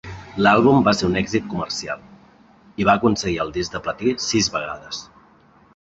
L'àlbum va ser un èxit comercial, i va aconseguir el disc de platí sis vegades.